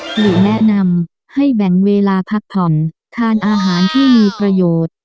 หรือแนะนำให้แบ่งเวลาพักผ่อนทานอาหารที่มีประโยชน์